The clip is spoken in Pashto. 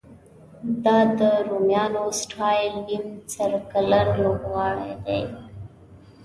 دا د رومیانو سټایل نیم سرکلر لوبغالی دی.